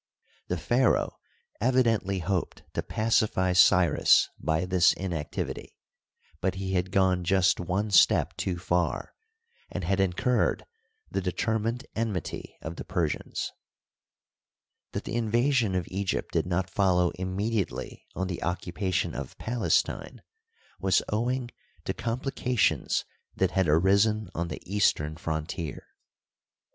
The pharaoh evidently hoped Digitized byCjOOQlC 132 HISTORY OF EGYPT, to pacify Cyrus by this inactivity ; but he had gone just one step too far, and had incurred the determined enmity of the Persians. That the invasion of Egypt did not fol low immediately on the occupation of Palestine was owing to complications that had arisen on the eastern frontier.